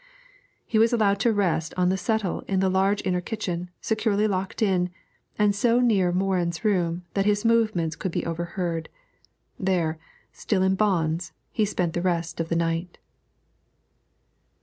He was allowed to rest on the settle in the large inner kitchen, securely locked in, and so near Morin's room that his movements could be overheard. There, still in bonds, he spent the rest of the night.